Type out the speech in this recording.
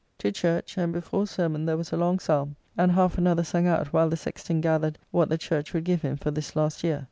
To church, and before sermon there was a long psalm, and half another sung out while the Sexton gathered what the church would give him for this last year.